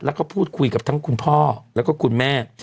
แล้วก็พูดคุยกับทั้งคุณพ่อแล้วก็คุณแม่